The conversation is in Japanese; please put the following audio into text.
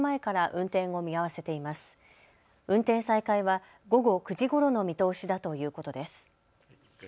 運転再開は午後９時ごろの見通しだということです。